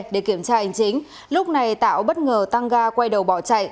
để kiểm tra hành chính lúc này tạo bất ngờ tăng ga quay đầu bỏ chạy